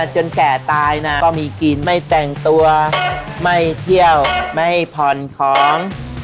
แก่ตายนะก็มีกินไม่แต่งตัวไม่เที่ยวไม่ผ่อนของ